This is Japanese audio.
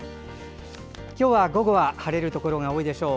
午後は晴れるところが多いでしょう。